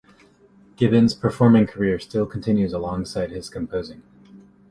Gibbons' performing career still continues alongside his composing.